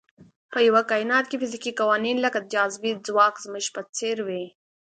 په یوه کاینات کې فزیکي قوانین لکه د جاذبې ځواک زموږ په څېر وي.